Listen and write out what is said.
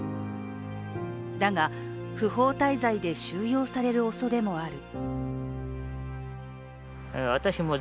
だが、不法滞在で収容されるおそれもある。